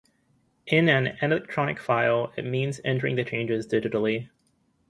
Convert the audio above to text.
In an electronic file, it means entering the changes digitally.